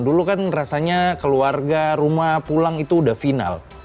dulu kan rasanya keluarga rumah pulang itu udah final